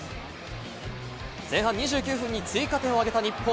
前半２９分に追加点を挙げた日本。